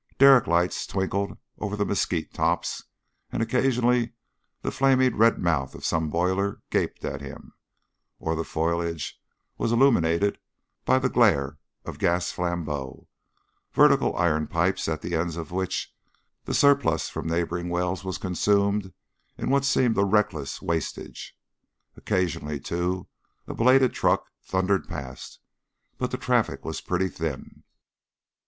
Derrick lights twinkled over the mesquite tops, and occasionally the flaming red mouth of some boiler gaped at him, or the foliage was illuminated by the glare of gas flambeaux vertical iron pipes at the ends of which the surplus from neighboring wells was consumed in what seemed a reckless wastage. Occasionally, too, a belated truck thundered past, but the traffic was pretty thin.